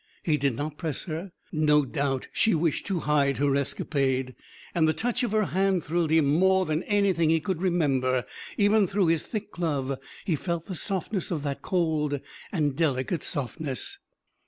He did not press her; no doubt she wished to hide her escapade. And the touch of her hand thrilled him more than anything he could remember; even through his thick glove he felt the softness of that cold and delicate softness.